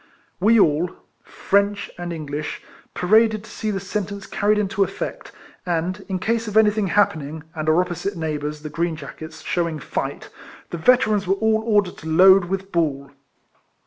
We all, French and English, paraded to see the sentence carried into effect, and, in case of anything happening, and our opposite neighbours, the green jackets, shewing fight, the Veterans were all ordered to load with ball.